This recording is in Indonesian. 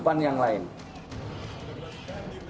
dan kemudian ditiru oleh gugus gugusnya